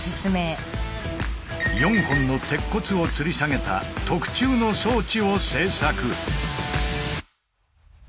４本の鉄骨を吊り下げた特注の装置を製作。